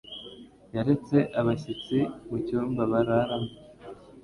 Yaretse abashyitsi mu cyumba bararamo.